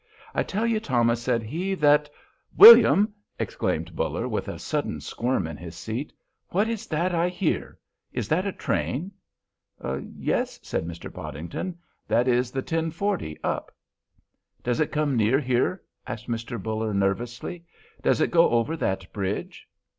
"I tell you, Thomas," said he, "that——" "William!" exclaimed Buller, with a sudden squirm in his seat, "what is that I hear? Is that a train?" "Yes," said Mr. Podington, "that is the ten forty, up." "Does it come near here?" asked Mr. Buller, nervously. "Does it go over that bridge?"